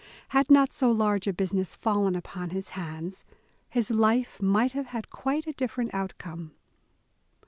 Had not so large a business fallen upon his hands, his life mi^ht have had quite a different outcome.